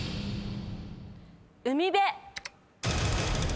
海辺。